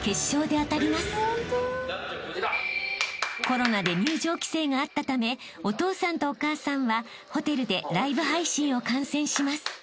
［コロナで入場規制があったためお父さんとお母さんはホテルでライブ配信を観戦します］